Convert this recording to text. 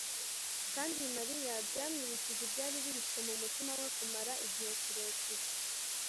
kandi Mariya byamwibukije ibyari bihishe mu mutima we kumara igihe kirekire